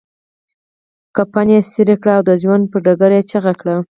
کفن يې څيري کړ او د ژوند پر ډګر يې چيغه کړه.